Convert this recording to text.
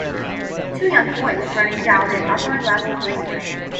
Two young boys running down an upper level breezeway.